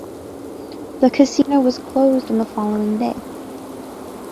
The casino was closed on the following day.